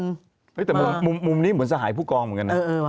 แต่มุมนี้เหมือนสหายผู้กองค่ะ